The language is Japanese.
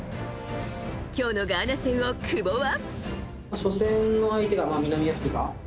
今日のガーナ戦を久保は。